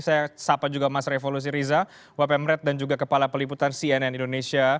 saya sahabat juga mas revo lusiriza wp mret dan juga kepala peliputan cnn indonesia